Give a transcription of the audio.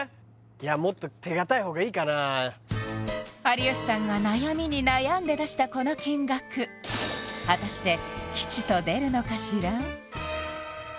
いやもっと手堅い方がいいかな有吉さんが悩みに悩んで出したこの金額果たして吉と出るのかしら？